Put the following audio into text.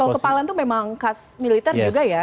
kalau kepalan itu memang khas militer juga ya